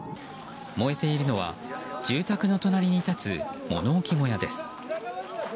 燃えているのは住宅の隣に立つ物置小屋です。